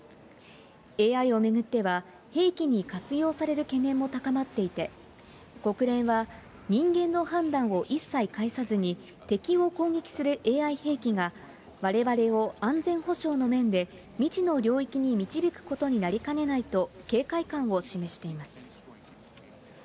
ＡＩを巡っては、兵器に活用される懸念も高まっていて、国連は人間の判断を一切介さずに、敵を攻撃するＡＩ兵器が、われわれを安全保障の面で未知の領域に導くことになりかねないと警戒感を示しています。